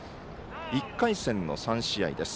１回戦の３試合です。